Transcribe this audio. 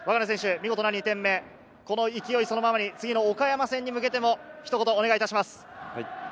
見事な２点目、この勢いそのままに次の岡山戦に向けて、ひと言お願いします。